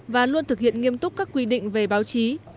và luôn thực hiện nghiêm túc các quy định về báo chí